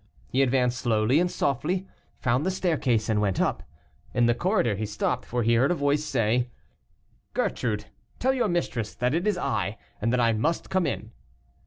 He advanced slowly and softly, found the staircase, and went up. In the corridor he stopped, for he heard a voice say, "Gertrude, tell your mistress that it is I, and that I must come in."